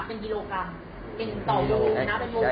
เป็นฮิโรกรัม